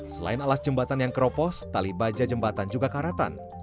selain alas jembatan yang keropos tali baja jembatan juga karatan